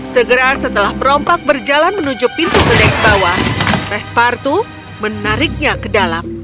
segera setelah perompak berjalan menuju pintu gedek bawah pesparto menariknya ke dalam